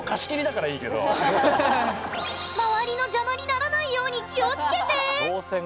周りの邪魔にならないように気を付けて！